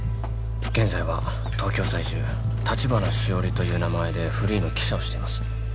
現在は東京在住橘しおりという名前でフリーの記者をしています